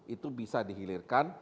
itu bisa dihilirkan